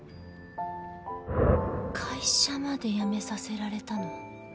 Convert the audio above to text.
会社まで辞めさせられたの？